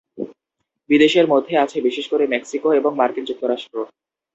বিদেশের মধ্যে আছে বিশেষ করে মেক্সিকো এবং মার্কিন যুক্তরাষ্ট্র।